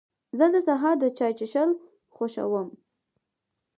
زه د سهار د چای څښل خوښوم.